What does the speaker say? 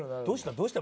どうした？」